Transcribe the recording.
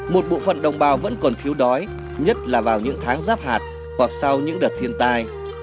một bộ phận đồng bào vẫn còn thiếu đói nhất là vào những tháng giáp hạt hoặc sau những đợt thiên tai